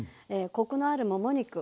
コクのあるもも肉。